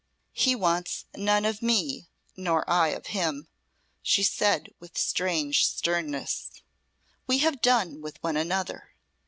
"He wants none of me nor I of him," she said, with strange sternness. "We have done with one another.